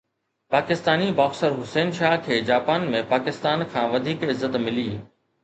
Pakistani boxer Hussain Shah کي Japan ۾ Pakistan کان وڌيڪ عزت ملي